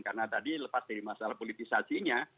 karena tadi lepas dari masalah politisasi nya